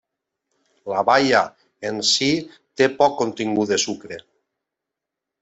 La baia en si té poc contingut de sucre.